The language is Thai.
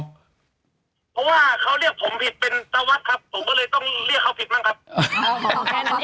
เพราะว่าเขาเรียกผมผิดเป็นตะวัดครับผมก็เลยต้องเรียกเขาผิดบ้างครับ